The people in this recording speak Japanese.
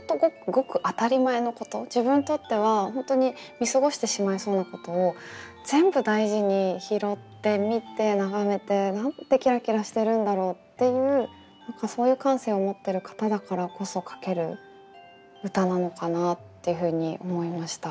ごく当たり前のこと自分にとっては本当に見過ごしてしまいそうなことを全部大事に拾って見て眺めてなんてキラキラしてるんだろうっていうそういう感性を持ってる方だからこそ書ける歌なのかなっていうふうに思いました。